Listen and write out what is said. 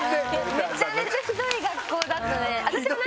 めちゃめちゃひどい学校だったので私も。